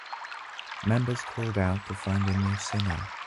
Members called out to find a new singer.